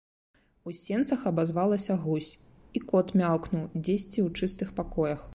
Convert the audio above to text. У сенцах абазвалася гусь, і кот мяўкнуў дзесьці ў чыстых пакоях.